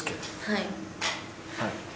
はい。